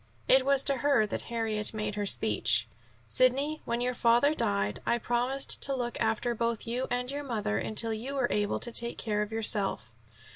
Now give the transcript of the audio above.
It was to her that Harriet made her speech: "Sidney, when your father died, I promised to look after both you and your mother until you were able to take care of yourself.